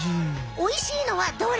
おいしいのはどれ？